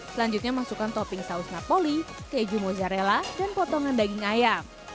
selanjutnya masukkan topping saus napoli keju mozzarella dan potongan daging ayam